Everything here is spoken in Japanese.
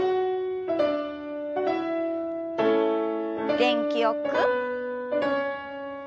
元気よく。